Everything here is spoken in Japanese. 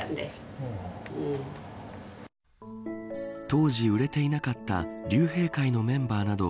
当時、売れていなかった竜兵会のメンバーなど